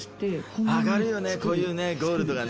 上がるよねこういうねゴールドがね。